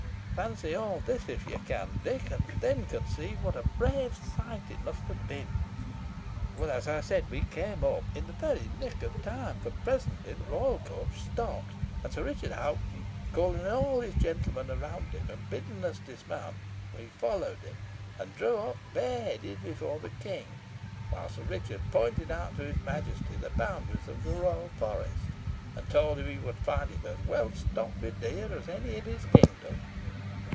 Fancy all this if you can, Dick, and then conceive what a brave sight it must have been. Well, as I said, we came up in the very nick of time, for presently the royal coach stopped, and Sir Richard Hoghton, calling all his gentlemen around him, and bidding us dismount, and we followed him, and drew up, bareheaded, before the King, while Sir Richard pointed out to his Majesty the boundaries of the royal forest, and told him he would find it as well stocked with deer as any in his kingdom.